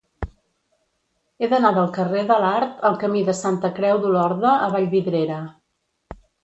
He d'anar del carrer de l'Art al camí de Santa Creu d'Olorda a Vallvidrera.